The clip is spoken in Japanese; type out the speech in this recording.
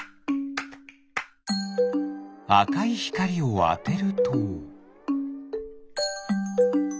あかいひかりをあてると？